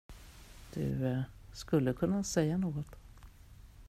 Du skulle kunna säga något.